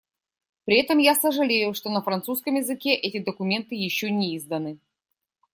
При этом я сожалею, что на французском языке эти документы еще не изданы.